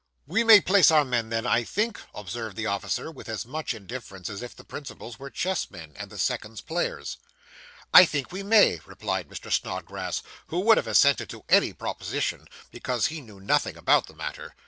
'We may place our men, then, I think,' observed the officer, with as much indifference as if the principals were chess men, and the seconds players. 'I think we may,' replied Mr. Snodgrass; who would have assented to any proposition, because he knew nothing about the matter.